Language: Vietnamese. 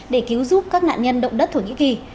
để cứu giúp các nạn nhân động đất thổ nhĩ kỳ